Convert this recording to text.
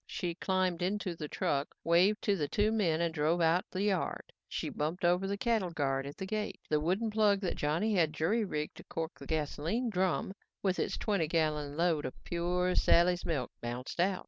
She climbed into the truck, waved to the two men and drove out the yard. As she bumped over the cattle guard at the gate, the wooden plug that Johnny had jury rigged to cork the gasoline drum with its twenty gallon load of pure Sally's milk, bounced out.